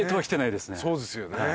そうですよね。